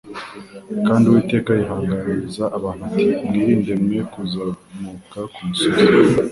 kandi Uwiteka yihanangiriza abantu ati: "Mwirinde mwe kuzamuka ku musozi